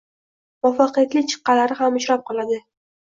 Muvaffaqiyatli chiqqanlari ham uchrab qoladi